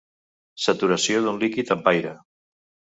Saturació d'un líquid amb aire.